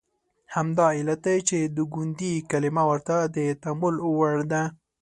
همدا علت دی چې د ګوندي کلمه ورته د تامل وړ ده.